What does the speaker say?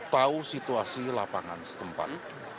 tahu situasi lapangan setempat